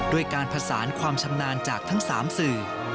ด้วยการผสานความชำนาญจากทั้ง๓สื่อ